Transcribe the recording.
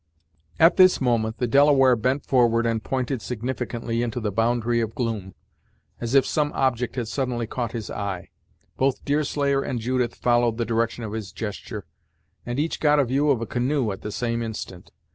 At this moment the Delaware bent forward and pointed significantly into the boundary of gloom, as if some object had suddenly caught his eye. Both Deerslayer and Judith followed the direction of his gesture, and each got a view of a canoe at the same instant.